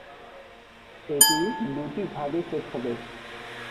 এটি দুটি ভাগে শেষ হবে।